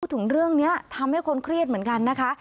ถึงเรื่องนี้ทำให้คนเครียดเหมือนกันนะคะ